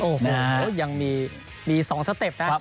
โอ้โหยังมี๒สเต็ปนะ